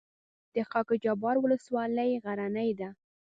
د خاک جبار ولسوالۍ غرنۍ ده